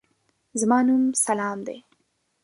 زما نوم سلام دی.